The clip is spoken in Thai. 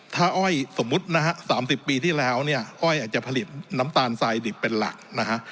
ถ้าอ้อยสมมุตินะฮะ๓๐ปีที่แล้วเนี่ยอ้อยอาจจะผลิตน้ำตาลทรายดิบเป็นหลักนะฮะ